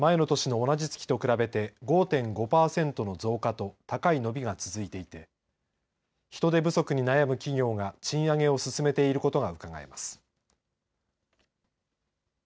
また労働者の平均時給は前の年の同じ月と比べて５．５パーセントの増加と高い伸びが続いていて人手不足に悩む企業が賃上げを進めていることがうかがえます。